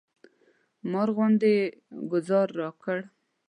مار غوندې یې ګوزار راکړ.